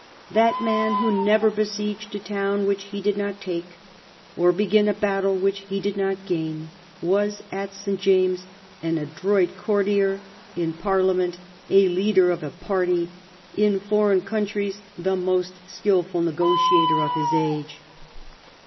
That man who never besieged a town which he did not take, or began a battle which he did not gain, was at St. James' an adroit courtier, in parliament a leader of a party, in foreign countries the most skilful negotiator of his age.